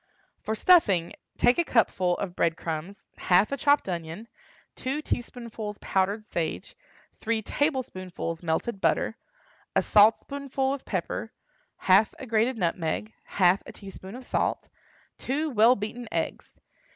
For stuffing, take a cupful of bread crumbs, half a chopped onion, two teaspoonfuls powdered sage, three tablespoonfuls melted butter, a saltspoonful of pepper, half a grated nutmeg, half a teaspoonful of salt, two well beaten eggs.